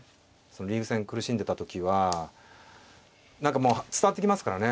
リーグ戦苦しんでた時は何かもう伝わってきますからね。